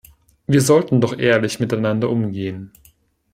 Wir sollten doch ehrlich miteinander umgehen.